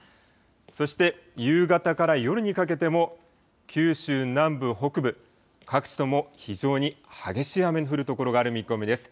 そして夕方から夜にかけても、九州南部、北部、各地とも非常に激しい雨の降る所がある見込みです。